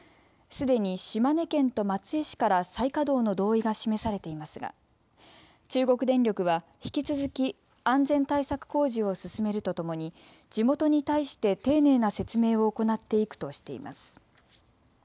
すでに島根県と松江市から再稼働の同意が示されていますが中国電力は引き続き安全対策工事を進めるとともに地元に対して丁寧な説明を行っていくとしています。